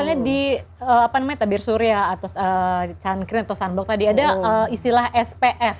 misalnya di tabir surya atau sunkren atau sunblock tadi ada istilah spf